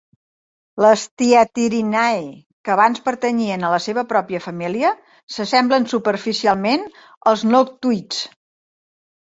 Les Thyatirinae, que abans pertanyien a la seva pròpia família, s'assemblen superficialment als noctúids.